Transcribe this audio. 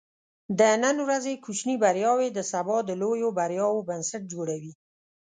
د نن ورځې کوچني بریاوې د سبا د لویو بریاوو بنسټ جوړوي.